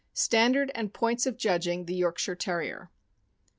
STANDARD AND POINTS OF JUDGING THE YORKSHIRE TERRIER.